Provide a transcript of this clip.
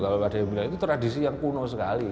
ada yang bilang itu tradisi yang kuno sekali